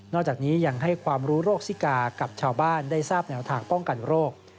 จากนี้ยังให้ความรู้โรคซิกากับชาวบ้านได้ทราบแนวทางป้องกันโรค